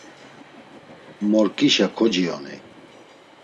Morǩişa kociyoney.